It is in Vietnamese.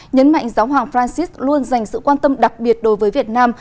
nhấn mạnh giáo hoàng francis luôn dành sự quan tâm đặc biệt đối với việt nam